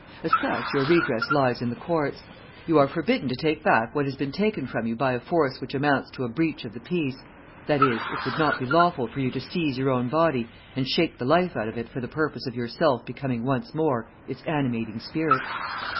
As such your redress lies in the Courts. You are forbidden to take back what has been taken from you by a force which amounts to a breach of the peace, that is, it would not be lawful for you to seize your own body and shake the life out of it for the purpose of yourself becoming once more its animating spirit.